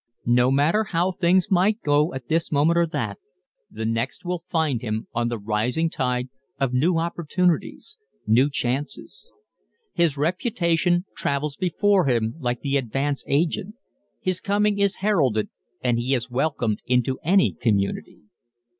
_ No matter how things might go at this moment or that the next will find him on the rising tide of new opportunities new chances. His reputation travels before him like the advance agent. His coming is heralded and he is welcomed into any community.